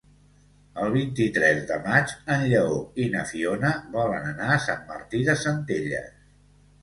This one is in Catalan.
El vint-i-tres de maig en Lleó i na Fiona volen anar a Sant Martí de Centelles.